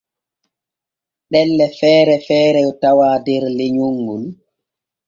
Ɗelle feere feere tawaa der lenyol ŋol.